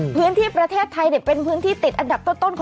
พื้นที่ประเทศไทยเนี่ย